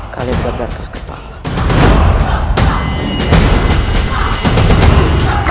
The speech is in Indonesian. kalian berdarah terus kembali